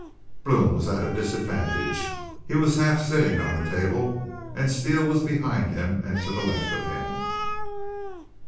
"Blome was at a disadvantage. He was half sittin' on a table, an' Steele was behind an' to the left of him.